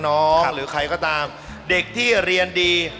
หรือใครก็ตามเด็กที่เรียนดี